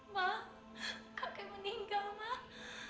mak kakek meninggal mak